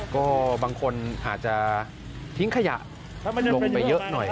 ก็บางคนอาจจะทิ้งขยะลงไปเยอะหน่อย